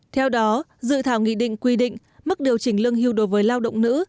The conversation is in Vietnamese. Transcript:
theo đó dự thảo nghị định quy định mức điều chỉnh lương hưu đối với lao động nữ